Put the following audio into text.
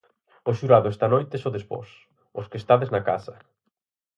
O xurado esta noite sodes vós, os que estades na casa.